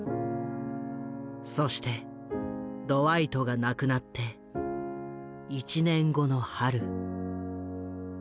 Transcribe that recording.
そしてドワイトが亡くなって１年後の春。